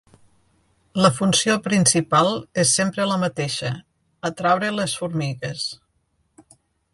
La funció principal és sempre la mateixa: atraure les formigues.